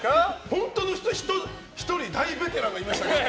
本当の人１人、大ベテランがいましたけど。